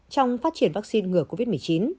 trong phát triển vaccine ngừa covid một mươi chín